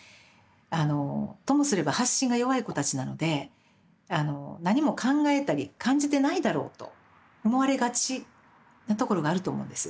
あのともすれば発信が弱い子たちなので何も考えたり感じてないだろうと思われがちなところがあると思うんです。